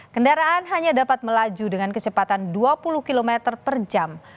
kendaraan hanya dapat melaju dengan kecepatan dua puluh km per jam